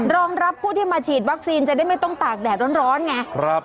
รองรับผู้ที่มาฉีดวัคซีนจะได้ไม่ต้องตากแดดร้อนไง